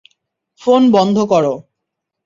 Phone বন্ধ করো।